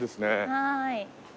はい。